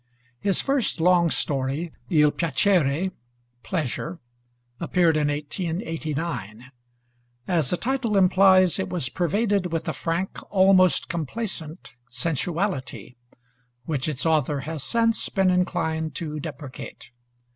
His first long story, 'Il Piacere' (Pleasure), appeared in 1889. As the title implies, it was pervaded with a frank, almost complacent sensuality, which its author has since been inclined to deprecate.